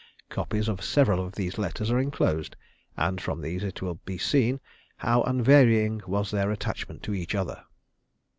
Copies of several of these letters are enclosed, and from these it will be seen how unvarying was their attachment to each other.